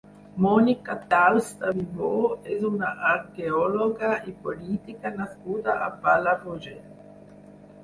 Mònica Tauste Vivo és una arqueòloga i política nascuda a Palafrugell.